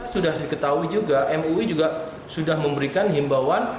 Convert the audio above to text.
sudah diketahui juga mui juga sudah memberikan himbauan